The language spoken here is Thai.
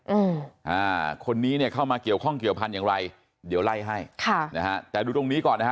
อืมอ่าคนนี้เนี่ยเข้ามาเกี่ยวข้องเกี่ยวพันธุ์อย่างไรเดี๋ยวไล่ให้ค่ะนะฮะแต่ดูตรงนี้ก่อนนะฮะ